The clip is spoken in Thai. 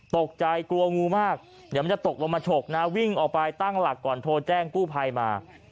ตกใจกลัวงูมากเดี๋ยวมันจะตกลงมาฉกนะวิ่งออกไปตั้งหลักก่อนโทรแจ้งกู้ภัยมา